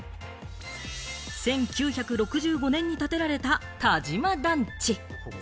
１９６５年に建てられた田島団地。